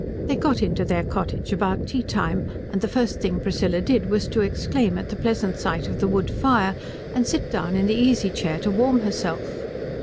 They got into their cottage about tea time; and the first thing Priscilla did was to exclaim at the pleasant sight of the wood fire and sit down in the easy chair to warm herself.